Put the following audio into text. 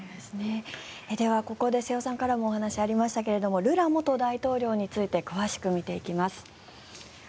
では、ここで瀬尾さんからもお話がありましたがルラ元大統領について詳しく見ていきます。